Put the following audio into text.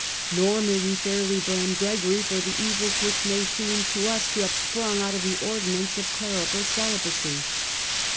Nor may we fairly blame Gregory for the evils which may seem to us to have sprung out of the ordinance of clerical celibacy.